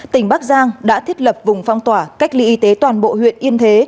tỉnh bắc giang đã thiết lập vùng phong tỏa cách ly y tế toàn bộ huyện yên thế